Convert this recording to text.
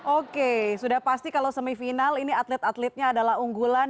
oke sudah pasti kalau semifinal ini atlet atletnya adalah unggulan